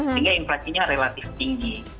sehingga inflasinya relatif tinggi